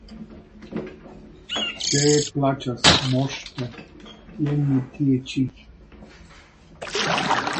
Se plaĉas, Moŝto, jen mi tie ĉi.